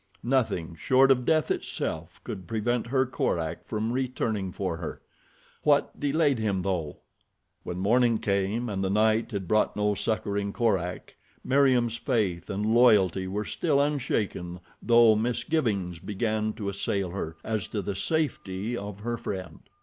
Nothing short of death itself could prevent her Korak from returning for her. What delayed him though? When morning came again and the night had brought no succoring Korak, Meriem's faith and loyalty were still unshaken though misgivings began to assail her as to the safety of her friend.